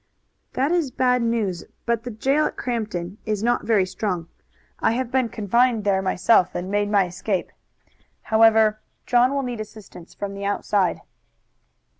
"That is bad news, but the jail at Crampton is not very strong. I have been confined there myself and made my escape. However, John will need assistance from the outside."